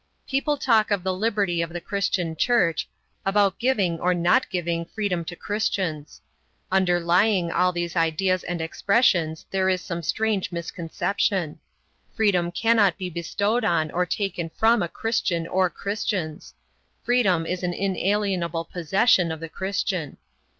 People talk about the liberty of the Christian Church, about giving or not giving freedom to Christians. Underlying all these ideas and expressions there is some strange misconception. Freedom cannot be bestowed on or taken from a Christian or Christians. Freedom is an inalienable possession of the Christian.